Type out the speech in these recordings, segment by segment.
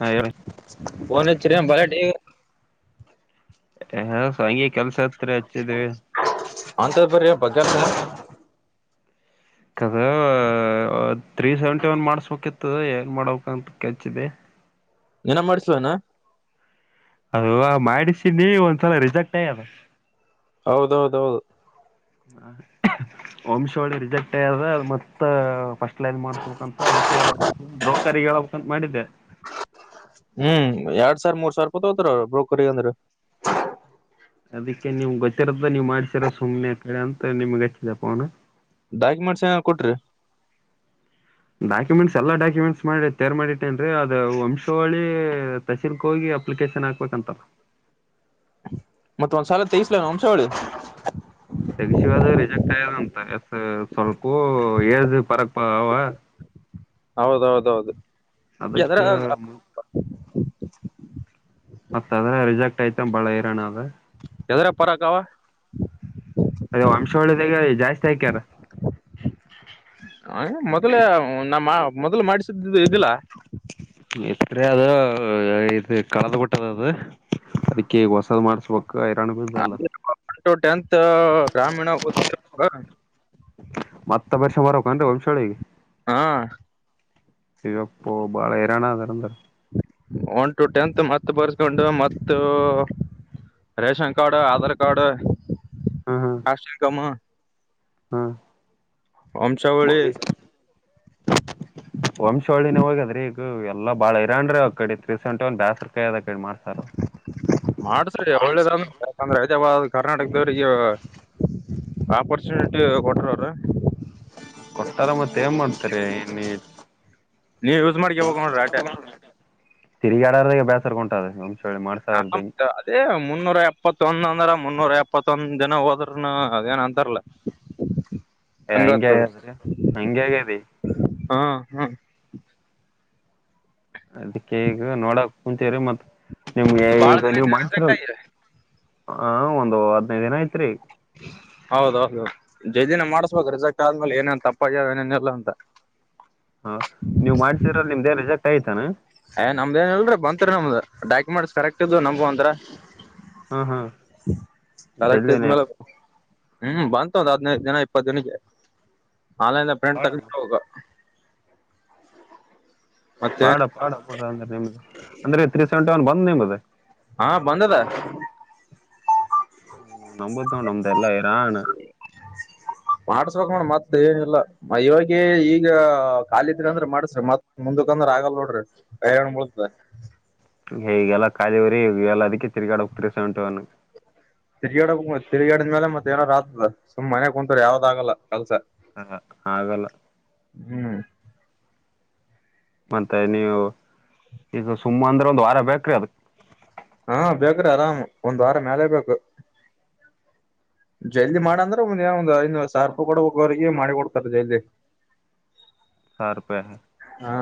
ಹಾ ಹೇಳಿ ಒನಚ್ಚರ ಬಾಲಟ್ ಎ ಅಂತಪರ್ಯ ಬಗ್ಗ [inaudible] ಥ್ರೀ ಸೆವೆನ್ಫೈವ್ ಮಾಡ್ಸ್ಬೇಕಿತ್ತುದ ಹೆಗ್ ಮಾಡ್ಬೇಕಂತ ಕೆಚ್ದೆ ಏನ ಮಾಡಸವನಾ ಅದು ಮಾಡಿಸಿನಿ ಒಂದ್ಸಲ ರಿಸಕ್ಟ್ ಆಯ್ಯದ ಹೌದೌದೌದು ಹ ವಂಶೋಳಿ ರಿಜೆಕ್ಟ್ ಆಯದ್ರ ಅ ಮತ್ತೆ ಮ ಫಸ್ಟ್ ಲೈನ್ ಮಾಡ್ಸ್ಬೇಕಂತ ಅದಕ್ಕೆ ಬ್ರೋಕರಿ ಹೇಳಬೇಕಂತ ಮಾಡಿದ್ದೆ ಹ್ಮ್ ಸರ್ ಮೂರ್ ಸ್ವರ್ಪ ತೋತಾರ ಬ್ರೋಕರಿ ಅಂದ್ರ ಅದಕ್ಕೆ ನಿಮ್ ಗೊತ್ತಿರದ ನೀವ್ ಮಾಡ್ಸಿರ ಸುಮ್ನೆ ಕಡೆ ಅಂತ ನಿಮ್ಗೆ ಹಚ್ಚಿದಪ್ಪ ಅವನ ಡಾಕ್ಯುಮೆಂಟ್ಸ್ ಏನ ಕೊಟ್ರಿ ಡಾಕ್ಯುಮೆಂಟ್ಸ್ ಎಲ್ಲಾ ಡಾಕ್ಯುಮೆಂಟ್ಸ್ ಮಾಡಿ ತೇರ್ ಮಾಡಿಟ್ಟೇನ್ರೀ ಅದ ವಂಶಾವಳಿ ತಸೀಲ್ಕ್ ಹೋಗಿ ಅಲಿಕೇಶನ್ ಹಾಕ್ಬೇಕಂತಾರ ಮತ್ತ ಒಂದ್ಸಾಲ ತಗಸ್ಲ ವಂಶವಳ್ಳಿ [inaudible] ಎಷ್ಟ ಸ್ವಲ್ಪೂ ಏಜ ಪರಕ್ ಅವ ಹೌದೌದೌದು ಎದರ ಅದಕ್ಕೆ [unintelligible] ಮತ್ತದ್ರೆ ರಿಜೆಕ್ಟ್ ಯ್ತ ಬಾಳ ಇರೋಣ ಅದ ಎದ್ರೆ ಪರಕ್ಕವಾ ಅದೇ ವಂಶ ಒಳ್ಳದಾಗ ಜಾಸ್ತಿ ಆಯಕ್ಯಾರ ಹ ಮೊದಲ ನಾ ಮೊದ್ಲು ಮಾಡಿಸಿದ್ದ ಇದಿಲ್ಲ ಎತ್ತರೆ ಅದು ಇದು ಕಳದು ಬಿಟ್ಟದ ಅದು ಅದಕ್ಕೆ ಹೊಸದ್ ಮಾಡ್ಸಬೇಕು [inaudible] ಎಂತು ರಾಮಾಯಣ ಓದಿದೆ ಮತ್ತ ಒಂದು ವರ್ಷ ಬಾರ್ಬೇಕಿನಿ ವಂಶಳಿಗೆ ಹಾ ಇವಪ್ಪ ಬಾಳೆರನ ಅರ ಅಂದ್ರೆ ಒನ್ ಟು ಟೆಂತ್ ಮತ್ತ ಬರ್ಸ್ಕೊಂಡು ಮ ರೇಷನ್ ಕಾರ್ಡು ಆಧಾರ್ ಕಾರ್ಡು ಕಸ್ ಇಕಮ ಹಾ ವಂಶವಳ್ಳಿ ವಂಶೋಳಿನ ಹೋಗದೀ ಈಗ ಎಲ್ಲ ಬಾಳ ಇರಾನ್ ಆ ಕಡೆ ತ್ರೀ ಸೆವೆಟ ಒನ್ ಬೇಸ್ಕಾಯಿ ಅದ ಕಡೆ ಮಾಡ್ತಾರ ಮಾಡ್ಸರಿ ಒಳ್ಳೇದಂದ ಯಾಕಂದ್ರೆ ಕರ್ನಾಟಕದವ್ರಿಗೆ ಆಪರ್ಚುನಿಟಿ ಕೊಟ್ರವರು ಕೊಟ್ಟಾರ ಮತ್ತೆ ಏನ್ ಮಾಡ್ತಾರೆ ಇನ್ ನೀವ ಯೂಸ್ ಮಾಡ್ಕ ಹೋಗ ನೋಡ್ರಿ ಆಟೆ ತಿಗಾಡದಾಗ ಬೇಸರ್ಗಂಟದೆ ಹ ಅದೇ ಮುನ್ನೂರ ಇಪ್ಪತ್ತೊಂದ ಅಂದ್ರ ಮುನ್ನೂರ ಎಪ್ಪತ್ತೊಂದ ಜನ ಹೋದ್ರನು ಅದೇಏನ ಅಂತಾರಲ ಹಂಗಗೆಗಿ ಹಂಗಗೆಗ್ಯಾದಿ ಹಾ ಹ್ಮ ಅದಕ್ಕೆ ಈಗ ನೋಡಕ್ ಕುೂಂಚೆರಿ ಮತ್ ನಿಮ್ಗೆ ಬಾಳ ಈಗ ದಿನ ನೀವು ಆಯ್ತ್ ರಿಜೆಕ್ಟ್ ಮಾಡ್ತಿರಲ್ ಆಗಿ ಆ ಒಂದು ಹದ್ನೈದು ದಿನ ಐತ್ರಿ [unintelligible] ಹೌದೌದು ಜೈದಿನ ಮಾಡ್ಸ್ಬೇಕು ರಿಸಲ್ಟ್ ಆದ್ಮೇಲೆ ಏನೇನ್ ತಪ್ಪ ಅಯ್ಯ ಏನೇನ ಇಲ್ಲ ಅಂತ ಹ ನೀವ್ ಮಾಡ್ಸಿದ್ರಲ್ಲಿ ನಿಮ್ದೇನ್ ರಿಜೆಕ್ಟ್ ಆಯ್ತಾನ ಏ್ ನಮ್ದ ಏನಲ್ರರಿ ಬಂತರಿ ನಮ್ದ ಡಾಕ್ಯುಮೆಂಟ್ಸ್ ಕರೆಕ್ಟ್ ಇದು ನಮಗು ಒಂರ ಹ್ಮ ಹಾ ಕರೆಕ್ಟ್ ಜಲ್ದನ ಇದ್ಮೇಲೆ ಹ್ಮ್ ಬಂತು ಒಂದ್ ಹದ್ನೈದು ದಿನ ಇಪ್ಪತ್ತು ದಿನಕ್ಕೆ ಆನ್ಲೈನ್ ಪ್ರಿಂಟ್ ಪಾಡ ತಗೊಂಡ ಹೋಗ ಮತ್ತೆ ಪಾಡ ಪಾಡ ಪಡ ಅಂದ್ರೆ ನಿಮ್ದ ಅಂದ್ರೆ ತ್ರೀ ಸೆವೆಂಟಿ ಒನ್ ಬಂದದ ನಿಮ್ದ ಹಾ ಬಂದದ ನಂಬುದ ನೋಡ ನಮ್ದ ಎಲ್ಲ ಹೈರಾಣ ಮತ್ತ ಏನಿಲ್ಲ ಇವಾಗ ಈಗ ಖಾಲಿದ್ರಿ ಅಂದ್ರ ಮಾಡಸ್ರಿ ಮತ್ ಮುಂದಕ ಅಂದ್ರ ಆಗಲ್ ನೋಡ್ರಿ ಹೈರಾಣ ಬುಳುತದ ಹೀಗೆಲ್ಲಾ ಖಾಲಿ ಇವ್ರಿ ಎಲ್ಲ ಅದಕ್ಕೆ ತಿರ್ಗಾಡಬೇಕ ತ್ರಿ ಸೆವೆಂಟಿ ಒನ್ ತಿರ್ಗಾಡಬೇಕ ತಿರುಗಾಡಿದ ಮೇಲೆ ಮತ್ತ ಏನರ ಆತದ ಸುಮ್ನ ಮನ್ಯಾಗ ಕುಂತರ ಯಾವ್ದ್ ಆಗಲ್ಲ ಕೆಲ್ಸ ಹ ಹ ಆಗಲ್ಲ ಹ್ಮ್ ಮತ್ತೆ ನೀವು ಈಗ ಸುಮ್ಮ ಅಂದ್ರ ಒಂದ್ ವಾರ ಬೇಕ್ರಿ ಅದಕ್ ಹಾ ಬೇಕ್ರಿ ಆರಾಮ್ ಒಂದ್ ವಾರ ಮ್ಯಾಲೇ ಬೇಕು ಜಲ್ದಿ ಮಾಡ ಅಂದ್ರ ಒಂದ ಸಾವಿರ ರೂಪಾಯ ಕೂಡಬೇಕ ಅವರಿಗ ಮಾಡಿ ಕೊಡ್ತಾರ ಜಲ್ದಿ ಸಾವಿರೂಪಾಯ ಹಾ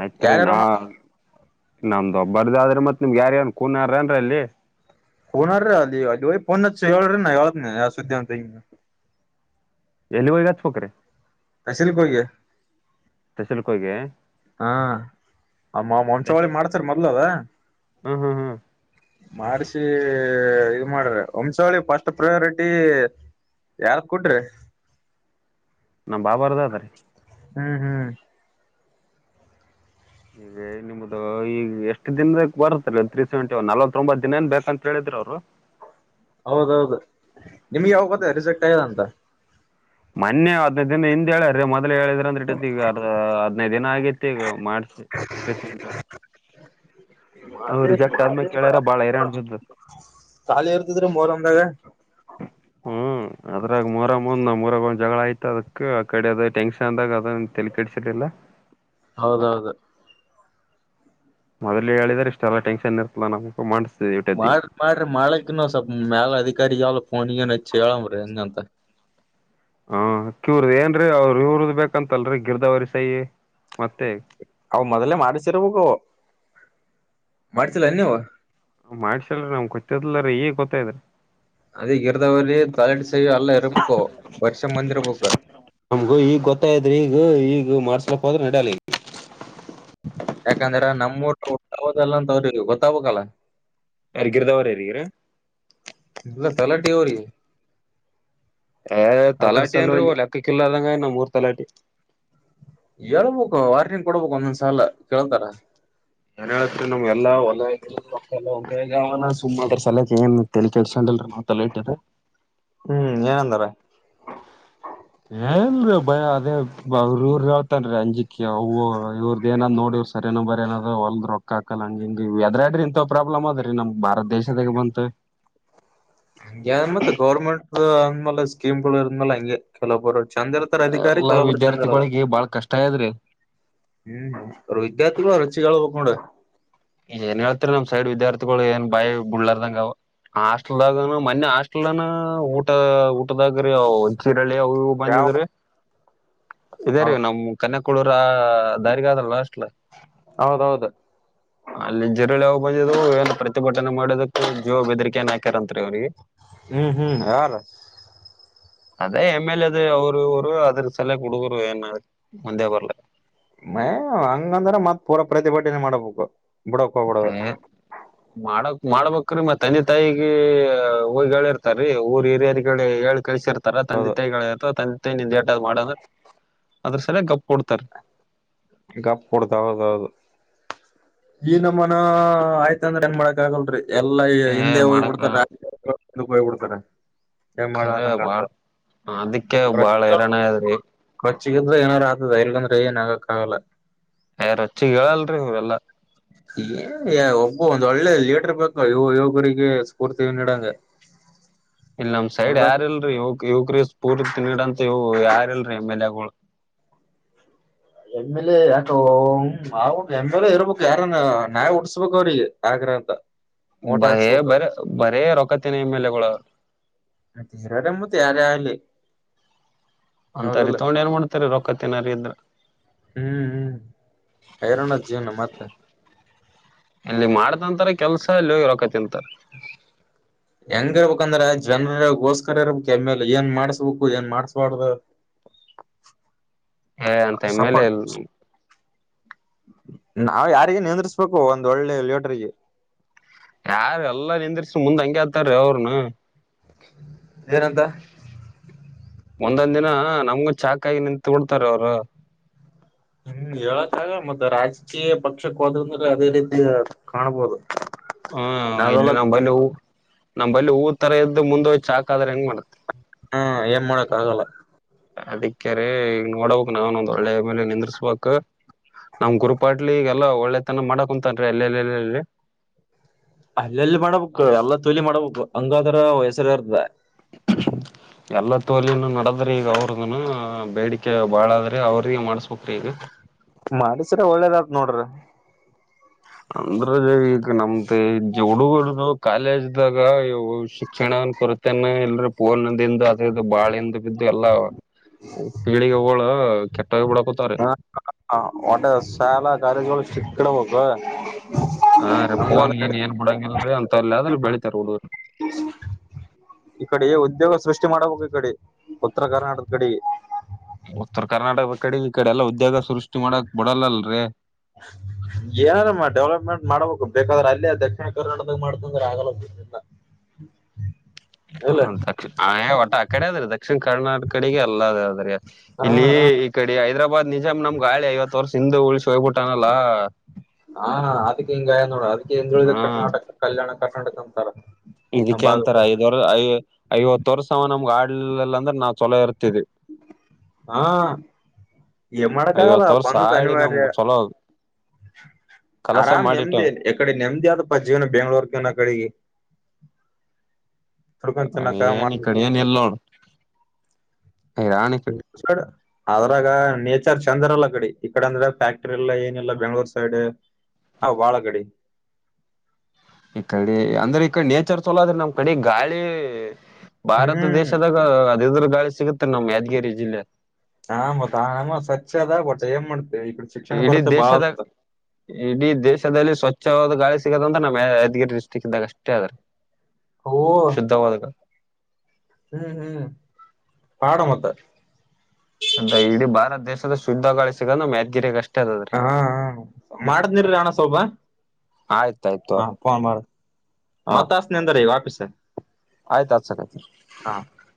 ಆಯ್ತ್ರಿ ಯಾರ್ಯಾರ ನಾ ನಮ್ದು ಒಬ್ಬರ್ದ ಆದ್ರಿ ಮತ್ ನಿಮ್ಗ್ ಯಾರಗನ್ ಕೂನ್ ಯಾರ ಏನ್ರೀ ಅಲ್ಲಿ ಕೋನಾರಿ ಅಲ್ಲಿ ಹೋಗಿ ಫೋನ್ ಹಚ್ಚಿ ಹೇಳ್ರಿ ನಾ ಹೇಳ್ತಿನಿ ಆ ಸುದ್ದಿಂತ ಹಿಂಗ ಎಲ್ಲಿಗ ಹೋಗಿ ಹಚ್ಚ ಬೇಕರಿ ತಸಿಲಕ ಹೋಗಿ ತಸಿಲಕ ಹೋಗಿ ಆ ಮ್ಮ ಮಂಚಾವಳಿ ತಸಲ್ ಮಾಡಸರಿ ಮೊದ್ಲದು ಹ್ಮ್ ಹ್ಮ್ ಹ್ಮ್ ಮಾಡಸಿ ಇದ ಮಾಡ್ರಿ ವಂಶಾವಳಿ ಫಸ್ಟ್ ಪ್ರಯಾರಿಟಿ ಯಾರದ ಕೊಟ್ರಿ ನಮ್ಮ ಬಾಬಾರದ ಅದ ಹ್ಮ್ ಹ್ಮ್ ಈಗ ನಿಮ್ದ ಈಗ ಎಷ್ಟು ದಿನದ ಬರುತ್ತ ತ್ರೀ ಸೆವೆಂಟಿ ಒನ್ ನಲ್ವತ್ ತೊಂಬ ದಿನೇನ್ ಬೇಕ ಅಂತ ಹೇಳಿದ ದ್ರ ಅವರು ಹೌದೌದು ನಿಮ್ಗ ಯಾವಾಗ ಗೋತ್ತಾಗದ ರಿಜೆಕ್ಟ್ ಆಗ್ಯದ ಅಂತ ಮೊನ್ನೆ ಹದ್ನೈದ ದಿನ ಹಿಂದ್ ಹೇಳಾರ್ರಿ ಮೊದಲ ಹೇಳಿದ್ರ ಅಂದ್ರ ಇಟ್ಟತಿಗ ಹದನೈದ ದಿನ ಆಗ ಮಾಡಸಿ ತ್ರಿ ಸೆವಂಟಿ ಒನ್ ಅವ ರಿಜೆಕ್ಟ್ ಆದ್ಮೇಲೆ ಕೇಳ್ಯಾರ ಬಾಳ ಹೈರಾಣ ಬಿದ್ದದ ಗದ್ದಲ್ಲ ಇರ್ತಿದ್ರೀ ಮೋರ್ಂದಾಗ ಹ್ಮ್ ಅದ್ರಾಗ ಮೂರಂ ಒಂದ ನಮ್ಮ ಊರಾಗ ಒಂದ ಜಗಳ ಆಯ್ತು ಅದಕ್ ಆ ಕಡೆ ಅದ ಟೆನ್ಷನ್ ಅಂದಾಗ ಅದ ಒಂದು ತೆಲಿ ಕೆಡಸಲಿಲ್ಲ ಹೌದೌದು ಮೊದ್ಲೆ ಹೇಳಿದ್ರ ಇಷ್ಟ ಎಲ್ಲಾ ಟೆನ್ಷನ್ ಇರ್ತಲ ನಮಸ ಮಾಡ್ರಿ ಮಾಡ್ರಿ ಮಾಡಲ್ಲಿಕನ ಸ್ವಲ್ ಮ್ಯಾಲ ಅಧಿಕಾರಿ ಹೇಳಬೇಕ ಅವನಿಗನ ಹಚ್ಚಿ ಹೇಳಂಬ್ರಿ ಹೆಂಗ್ ಅಂತ ಹಾ ಕ್ಯೂರ್ ಏನ್ರೀ ಅವ್ರರು ಇವರದ್ ಬೇಕಂತಲ್ರರಿ ಗಿರ್ಧಾವರಿ ಸೈ ಮತ್ತೆ ಅವು ಮೊದ್ಲೇ ಮಾಡಿಸಿರಬೇಕ ಅವು ಮಾಡಿಸಿಲ್ಲನ ನೀವು ಮಾಡ್ಸಿಲರಿ ನಮಗ ಗೊತ್ತಿರಲಿಲ್ಲರೀ ಈಗ್ ಗೊತ್ತಾಗದರೀ ಅದ ಗಿರ್ದವ್ರ ತಲಾಟಿ ಸೈ ಎಲ್ಲ ಇರ್ಬೇಕವು ಬರೆಸಂ ಬಂದಿರ್ಬೇಕು ನಮ್ಗೂ ಈಗ ಗೊತ್ತಾಗೆದರಿ ಈಗ ಈಗ ಮಾಡಸ್ಲಕ್ ಹೋದ್ರ ನಡಲ್ಲ ಈಗ ಯಾಕಂದ್ರೆ ನಮ್ಮ್ ಊಟ್ದಲ್ಲ ಅಂತ ಅವ್ರಿಗೆ ಗೊತ್ತಾಗಕ್ಲ್ ಯಾರಿಗ ಗಿರದ್ದವರರಿಗರಿ ಇಲ್ಲ ತಲಾಟಿಗ ಅವರಿಗ ಏ ತಲಾಟಿ ಏನ್ರಿ ಲೆಕ್ಕಕಿಲ್ಲ ಆದಂಗಾನ ನಮ್ಮೂರ್ ತಲಾಟಿ ನ್ ಕೊಡ್ಬೇಕು ಒಂದೊಂದ್ ಸಲ ಕೇಳ್ತಾರ ಏನ್ ಹೇಳತ್ರಿ ನಮ್ಗೆಲ್ಲ ಹೊಲ ಹಾಕಿದ ರೊಕ್ಕೆಲ್ಲ ಅವನ ಕೈಯಾಗ ಅವ ಸುಮ್ಮ ಅದ್ರ ಸಲಯಕ್ ಏನ್ ತೆಲಿ ಕೆಡಿಸ್ಕೊಂಡಿಲ್ರಿ ಹ್ಮ್ ಏನಂದಾರ ಏನಿಲ್ರರಿ ಭಯ ಅದೇ ಅವ್ರರು ಇವ್ರ ಹೇಳ್ತನ ರೀ ಅಂಜಿಕಿ ಅವು ಇವ್ರದೆನ್ ನೋಡಿ ಸರಿನಾ ಬರೇಯಲದು ಹೊಲ್ದ್ ರೊಕ್ಕಾಕಲ್ಲ ಹಂಗೆ ಹಿಂಗೇ ಅದ್ರ್ಯಾಡ್ರ ಇಂತ ಪ್ರಾಬ್ಲಮ್ ಅದ ರೀ ನಮ್. ಭಾರತ್ ದೇಶದಗೆ ಬಂದತ. ಆಮೇಲೆ ಸ್ಕೀಮ್ಗುಳು ಅಂಗೇ ಕೆಲವಬರು ಚಂದ್ ಇರ್ತಾರ ಅಧಿಕಾರಿ ಎಲ್ಲಾ ಕೆಲೊಬ್ರು ಚಂದ್ ಇರಲ್ಲ. ವಿದ್ಯಾರ್ಥಿಗಳಿಗೆ ಬಾಳ ಕಷ್ಟ ಆಗ್ಯದ್ರಿ ಹ್ಮ್ ವಿದ್ಯಾರ್ಥಿಗಳು ರೊಚ್ಚಿಗ್ ಏಳ್ಬಕ್ ನೋಡು. ಏನ್ ಹೇಳ್ತರಿ ನಮ್ ಸೈಡ್ ವಿದ್ಯಾರ್ಥಿಗಳು ಏನ್ ಬಾಯ್ ಬಿಡ್ಲಾರದಂಗ್ ಆವ. ಹೊಸ್ಟ್ಲಾಗುನು ಮೊನ್ನೆ ಹೊಸ್ಟ್ಲನು ಊಟ ಊಟದಾಗರಿ ಒಂಟ್ ಯಾವ ಬಂದಿದ್ರಿ ಇದೇ ರೀ ನಮ್ ಕನಕ್. ಕುಳುರ ದಾರಿಗೆ ಅದರ್ ಲಾಸ್ಟ. ಹೌದೌದು. ಅಲ್ಲಿ [unintelligible] ಯಾವ್ ಬಂದವು ಏನ್ ಪ್ರತಿಭಟನೆ ಮಾಡೋದಕ್ಕೆ ಜೀವ ಬೆದರಿಕೇ ಏನಾ ಹಾಕ್ಯಾರಂತ. ಹ್ಮ್ ಹ್ಮ್. ಅದೇ ಎಮ್ ಎಲ್ ಎ ಅದು ಅವರು ಇವ್ರು ಅದ್ರ ಸಾಲಾಗಿ ಹುಡುಗರು ಏನ್ ಮುಂದೆ ಬರ್ಲ. ಮ ಹಂಗಂದ್ರ ಮತ್ತ್ ಪೂರ ಪ್ರತಿಭಟನೆ ಮಾಡ್ಬಾಕು. ಹೇ ಮಾಡ್ ಮಾಡ್ಬಾಕ್ರಿ ಮತ್ ತಂದೆ ತಾಯಿಗೇ ಹೋಗಿ ಹೇಳಿರ್ತಾರೀ ಊರ್ ಹಿರಿಯಾರಿಗ್ ಹೇಳಿ ಕಳ್ಸಿರ್. ತರ ತಂದಿ ತಾಯಿಗ್ ಹೇಳಿರ್ತಾರ ಅವ್ರ್ ತಂದ್ [unintelligible] ಮಾಡ ಅದ್ರು ಸಾಳ್ವಗ್ ಗಪ್ ಕೂಡ್ತಾರ. ಗಪ್ ಕೊಡ್ತಾವವು. ಈನಮ್ಮನ ಆಯ್ತ ಅಂದ್ರ ಏನ್ ಮಾಡಾಕ್ ಆಗಲ್ರಿ ಎಲ್ಲಾ ಏ ಹಿಂದೆ ಮಾಡಕ್ ಹೋಗ್ಬಿಡ್ತಾರಾ. ಹಿಂದುಕೋಬುಡ್ತಾರಾ. ಖರ ಬಾಳ್ ಅದಿಕ್ಕೆ ಬಾಳ್ [unintelligible] ದ್ರಿ. ರೊಚ್ಚಿಗೆದ್ರೆ ಏನಾರ ಆಗ್ತದ ಇಲಂದ್ರೆ ಏನ್ ಆಗಕ್ಕಾಗಲ್ಲ. ಏ ರೊಚ್ಚಿಗೆ ಹೇಳಲ್ರಿ ಇವ್ರೆಲ್ಲ. ಏನ್ ಹೈ ಒಬ್ಬ ಒಂದ್ ಒಳ್ಳೆ ಲೀಡರ್ ಬೇಕು ಯುವ್ ಯುವುಕರಿಗೆ ಸ್ಫೂರ್ತಿ ನಿಡಂಗ. [inaudible] ಇಲ್ ನಮ್ ಸೈಡ್ ಯಾರ್ ಇಲ್ರಿ ಇವ್ ಯುವುಕ್ರಿಗ್ ಸ್ಫೂರ್ತಿ ನಿದಂತಾವ್ ಇವು ಯಾರ್ ಇಲ್ರಿ ಎಂ ಎಲ್ ಎ ಗುಳು. ಎಂ ಎಲ್ ಎ ಯಾಕೊ ಹ್ಮ್ಮ್ ಅಬಕು ಎಂ ಎಲ್ ಎ ಇರ್ಬಾಕೂ ಯಾರನಾ ನಾವ್ ಉಟ್ಸ್ಬಕ್ ಅವ್ರಿಗೆ ಅಗ್ರ ಅಂತ. ಓಟ ಬರೇ ಹಾಕ್ಸ್ಬೇಕು ಬರೆ ಬರೇ ರೊಕ್ಕತಿನ್ನ ಎಂ ಎಲ್ ಎ ಗುಳವ್ರು. ಮತ್ತೆ ಅದೇ ಮತ್ತೆ ಯಾರೇ ಆಗ್ಲಿ. ಅಂತರ್ ಹೌದಲ್ಲ ಇಡ್ಕೊಂಡ್ ಏನ್ ಮಾಡ್ತೀರಿ ರೊಕ್ಕತಿನರ್ ಇದ್ರ. [unintelligible] ಜೀವ್ನ ಮತ್ತೆ. ಇಲ್ಲಿ ಮಾಡತಂತಾರ ಕೆಲ್ಸ ಎಲ್ಲು ಹೇಳಾಕತ್ತಿಲ್ ತಾ. ಹೆಂಗ್ ಇರ್ಬೇಕಂದ್ರೆ ಜನರಗೋಸ್ಕರ ಇರ್ಬಾಕ್ ಎಂ ಎಲ್ ಎ ಏನ್ ಮಾಡೂಸ್ಬಕು ಏನ್ ಮಾಡ್ಸ್ಬಾರ್ದು. [inaudible] ಏ ಅಂತ ಎಂ ಎಲ್ ಎ ಸಪೋರ್ಟ್ ಎಲ್ ನಮ್. ನಾವ್ ಯಾರಿಗೆ ನಿಂದ್ರುಸ್ಬಕು ಒಂದ್ ಒಳ್ಳೆ ಲೀಡ್ರಿಗೆ. ಯಾರ್ ಎಲ್ಲ ನಿಂದ್ರಿಸ್ ಮುಂದ್ ಹಂಗೆ ಹತಾರೀ ಅವ್ರನ. ಏನಂತ. ಮುಂದೊಂದಿನ ನಮ್ಗು ಚಾಕಾಗಿ ನಿಂತ್ ಬುಡ್ತರಿ ಅವ್ರು. ಹ್ಮ್ ಹೇಳಕ್ ಆಗಲ್ ಮತೆ ರಾಜ್ಕೀಯ ಪಕ್ಷಕ್ ಹೋದ್ರಂದ್ ಮೇಲೆ ಅದೇ ರೀತಿ ಕಾಣ್ಬೋದು. ಹಾ ನಾವೆಲ್ಲ ಇಲ್ಲಿ ನಂಬಲ್ಲಿ ಹೂ ನಂಬಲ್ಲಿ ಹೂ ತರ ಇದ್ದು ಮುಂದೋಗ್ ಚಾಕಾದ್ರೆ ಹೆಂಗ್ ಮಾಡ್ತಿ. ಹಾ ಏನ್ ಮಾಡಕ್ ಆಗಲ್ಲ. ಅದಕ್ಕೆ ರೀ ಇಗ್ ನೋಡಬಕ್ ನಾನು ಒಂದ್ ಒಳ್ಳೆ ಎಂ ಎಲ್ ಎ ನಿಂದ್ರುಸ್ಬಕು. ನಮ್ ಗುರುಪಾಟ್ಲಿ ಈಗೆಲ್ಲ ಒಳ್ಳೆತನ ಮಾಡಕುಂತನ್ರೀ ಅಲ್ಲೆ ಲೇ ಲಿ. ಅಲ್ಲೆಲ್ಲಿ ಮಾಡ್ಬಕು ಎಲ್ಲ ತುಲಿ ಮಾಡ್ಬಕೂ ಹಂಗಾದ್ರ ಹೆಸ್ರ್ಯೇರ್ತದೆ. ಎಲ್ಲ ತೋಲನು ನೋಡದ್ರಿ ಈಗ ಅವರ್ದುನು. ಬೇಡಿಕೆ ಬಾಳಾದ್ರಿ ಅವ್ರಿಗೆ ಮಾಡೂಸ್ಬಕ್ರೀ ಈಗ. ಮಾಡಿಸ್ರಿ ಒಳ್ಳೇದತ್ ನೋಡ್ರಿ. ಅಂದ್ರು ರೀ ಈಗ ನಮ್ದ ಹುಡುಗುರ್ದು ಕಾಲೇಜ್ದಾಗ ಯುವ್. ಶಿಕ್ಷಣನ್ ಕೊರೆತನ ಎಲ್ರು ಪೂನ್ ದಿಂದ ಅದ್ ಇದು ಬಾಳ ಹಿಂದ್ ಬಿದ್ದು ಎಲ್ಲ. ಪೀಳಿಗೆ ಅವಳ ಕೆಟ್ಟ ಹ ಹೊಟ್ಟೆ ಸಾಲ ಗಾರಿಗಳು ಚಿಕ್ಕಡಬೇಕು ಹಾ ರೀ ಪೋನ್ಗಿನ್ ಏನ್ ಬಿಡಂಗಲ್ರಿ ಅಂತಲ್ಲ ಆದ್ರೆ ಬೆಳಿತಾರ ಹುಡುಗ್ರ ಈ ಕಡೆ ಉದ್ಯೋಗ ಸೃಷ್ಟಿ ಮಾಡಬೇಕು ಈ ಕಡೆ ಉತ್ತರ ಕರ್ನಾಟದ ಕಡೆಗೆ ಉತ್ತರ ಕರ್ನಾಟಕ ಕಡೆ ಈ ಕಡೆ ಎಲ್ಲ ಉದ್ಯೋಗ ಸೃಷ್ಟಿ ಮಾಡಕ್ ಬಿಡಲ್ಲಲ್ರರಿ ಯಾರಮ್ಮ ಡೆವಲಪ್ಮೆಂಟ್ ಮಾಡ್ಬೇಕು ಬೇಕಾದ್ರೆ ಅಲ್ಲೇ ದಕ್ಷಿಣ ಕರ್ನಾಡದಾಗ ಮಾಡ್ತಂದ್ರೆ ಆಗಲ್ಲಲ್ಲ ಹ ದಿಣ ಒಟ ಆ ಕಡೆ ಅದ್ರೀ ದಕ್ಷಿಣ ಕರ್ನಾಟಕಡಿಗೆ ಎಲ್ಲದ ಅದ್ರಿ ಹಾ ಇಲ್ಲಿ ಈ ಕಡೆ ಹೈದ್ರಾಬಾದ್ ನಿಜಾಮ್ ನಮ್ಗೆ ಗಾಿ ಐವತ್ತು ವರ್ಷ ಹಿಂದ ಉಳ್ಿಸಿಿ ಹೋಗ್ಬಿಟ್ಟಾನಲ್ಲಾ [unintelligible] ಹಾ ಅದಕ್ಕೆ ಹಿಂಗ ಗಯ ನೋಡ ಅದಕ್ಕೆ ಹೆ ಹೇಳಿದ ಹಾ ಕರ್ನಾಟಕ ಕಲ್ಯಾಣ ಕರ್ನಾಟಕ ಅಂತಾರ ನಮ್ ಇದಕ್ಕೆ ಅಂತರ ಭಾಗಕ್ಕ ಐದ್ವರ್ ಐ ಐವತ್ತ ವರ್ಷ ನಮ್ಗೆ ಆಡ್ಲಲ್ಲ ಅಂದ್ರೆ ನಾವ್ ಚೊಲೋ ಇರ್ತವಿ ಹಾ ಮಾಡಡಕ್ಕಾಗಲ್ಲಾ ಐವತ್ ವರ್ಷ ಬಂದು ತನ ಆಳಿ ಮಾಡಾರ ನಮ್ಗ್ ಚೊಲೋ [unintelligible] ಕಲಸ ಆರಾಮ್ ಮಾಡಿಟ್ಟ ನೆಮದೇ ಎಕಡೆ ನೆಮದಿ ಆದದಪ್ಪ ಜೀವನ ಬೆಂಗ್ಳೂರ್ ಕವನ ಅ ಕಡೆಗೆ [unintelligible] ತಡ್ಕೊ ಚನ್ನಕ್ಕ ಏನ್ ಈ ಕಡೆ ಮಾಡ ಏನ್ ಇಲ್ ನೋಡ್ ರಾಣಿ ಆದ್ರಾಗ ಚಾರ್ ಚಂದರಲ್ಲ ಕಡೆ ಈ ಕಡೆ ಅಂದ್ರೆ ಫ್ಯಾಕ್ಟ್ರಿ ಎಲ್ಲ ಏನಿಲ್ಲ ಬೆಂಗ್ಳೂರ್ ಸೈಡ್ ಹಾ ಬಾಳ ಕಡೆ ಈ ಕಡೆ ಅಂದ್ರೆ ಈ ಕಡೆ ನೇಚರ್ ಚಲೋ ಅದ್ರೀ ನಮ್ ಕಡೆ ಗಾಳಿ ಭಾರತ ಹ್ಮ್ ದೇಶದಾಗ ಅದದ್ರ ಗಾಳಿ ಸಿಗುತ್ತೆ ನಮ್ ಯಾದಗಿರಿ ಜಿಲ್ಲೆ ಹಾ ಮತ್ಮ್ಮ ಸ್ವಚ್ಛ ಅದ ಆಬಟ್ಟೆ ಏನ್ ಮಾಡ್ತ ಇಡೀ ದೇಶದ ಇಡೀ ದೇಶದಲ್ಲಿ ಸ್ವಚ್ಛ ಹೆಚ್ಚವಾದ ಗಳಿ ಸಿಗದ ಅಂತ ನಮ್ಮ ಯದಗರಿ ಡಿಸ್ಟ್ರಿಕ್ ಇದ್ದಾಗ ಅಷ್ಟೇ ಆದದೆ ಓ ಶುದ್ಧ ಹದಾಗ ಹ್ಮ್ ಹ್ಮ್ ಪಾಡ ಮೊತ್ತ ಶುದ್ಧ ಇಡೀ ಭಾರತ ದೇಶದ ಶುದ್ಧಗಳು ಸಿಗ ನ ಮ್ಗಿರಿಯಾಗ ಅಷ್ಟೇ ಅದದ್ರಿ ಹಾ ಮಾಡದ್ನಿರೀ ಹಾಣ ಸೊಬಾ ಆಯ್ತಾಯ್ತು ಹಾ ತೋರಿ ಫನ್ ಮಾಡ ಮತ್ತಾಸ ಅಂದ ಆಯ್ತು ಆ ಹಾ [unintelligible]